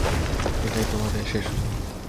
এটাই তোমাদের শেষ সুযোগ।